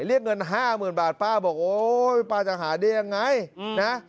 เรียกเงินห้าหมื่นบาทป้าบอกโอ๊ยป้าจะหาได้ยังไงนะ